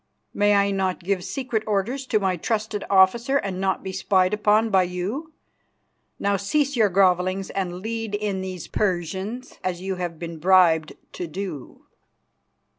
May I not give secret orders to my trusted officer and not be spied upon by you? Now, cease your grovellings and lead in these Persians, as you have been bribed to do."